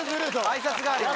挨拶代わりに。